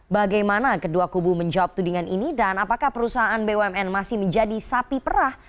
bagaimana kedua kubu menjawab tudingan ini dan apakah perusahaan bumn masih menjadi sapi perah